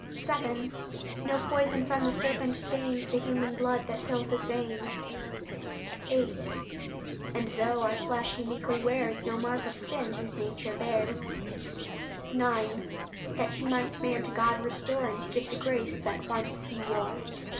VII No poison from the serpent stains The human blood that fills His veins; VIII And though our flesh He meekly wears, No mark of sin His nature bears; IX That He might man to God restore, And give the grace that once He wore.